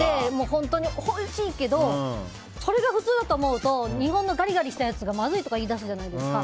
本当においしいけどそれが普通だと思うと日本のガリガリしたやつがまずいって言い出すじゃないですか。